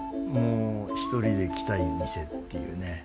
もう１人で来たい店っていうね。